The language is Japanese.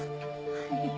はい。